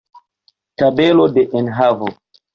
Tabelo de enhavo.